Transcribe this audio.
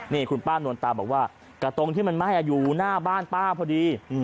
นี่คุณป้านวลตาบอกว่ากระตรงที่มันไหม้อยู่หน้าบ้านป้าพอดี